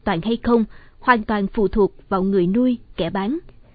an toàn hay không hoàn toàn phụ thuộc vào người nuôi kẻ bán